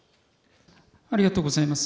ありがとうございます。